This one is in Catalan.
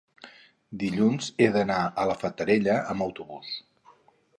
dilluns he d'anar a la Fatarella amb autobús.